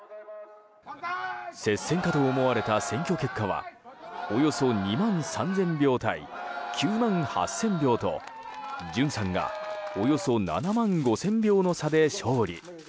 接戦かと思われた選挙結果はおよそ２万３０００票対９万８０００票と潤さんがおよそ７万５０００票の差で勝利。